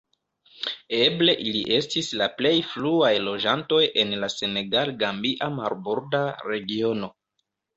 Eble ili estis la plej fruaj loĝantoj en la senegal-gambia marborda regiono.